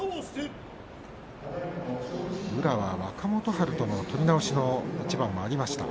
宇良は、若元春との取り直しの一番もありました。